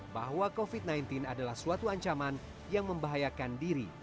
bahwa covid sembilan belas adalah suatu ancaman yang membahayakan diri